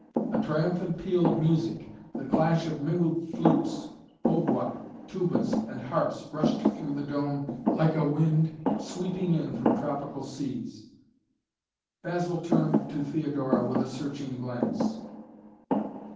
A triumphant peal of music, the clash of mingled flutes, hautboys, tubas and harps rushed through the dome like a wind sweeping in from tropical seas. Basil turned to Theodora with a searching glance.